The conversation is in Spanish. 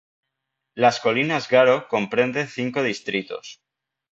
Las colinas Garo comprende cinco distritos.